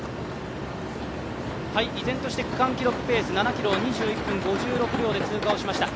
依然として区間記録ペース７ｋｍを２１分５６秒で通過をしました。